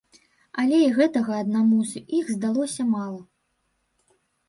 Але і гэтага аднаму з іх здалося мала.